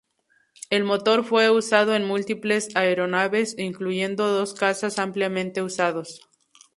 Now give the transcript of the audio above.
El motor fue usado en múltiples aeronaves, incluyendo dos cazas ampliamente usados.